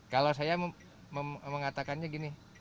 kalau saya mengatakannya gini